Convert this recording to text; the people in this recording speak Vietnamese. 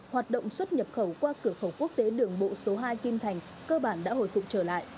hoạt động xuất nhập khẩu qua cửa khẩu quốc tế đường bộ số hai kim thành cơ bản đã hồi phục trở lại